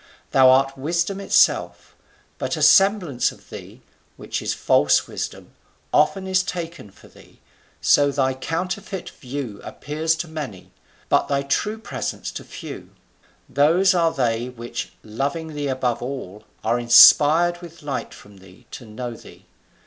Thou art wisdom itself. But a semblance of thee, which is false wisdom, often is taken for thee, so thy counterfeit view appears to many, but thy true presence to few: those are they which, loving thee above all, are inspired with light from thee to know thee.